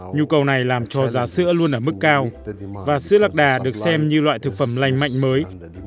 nhu cầu này làm cho giá sữa luôn ở mức cao và sữa lạc đà được xem như loại thực phẩm lành mạnh mới